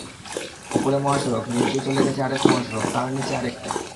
ওপরে মহাসড়ক, নিচ দিয়ে চলে গেছে আরেক মহাসড়ক, তার নিচে আরেকটা।